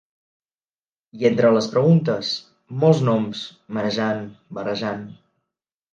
I entre les preguntes, molts noms; marejant, barrejant.